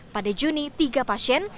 pada juni tiga pasien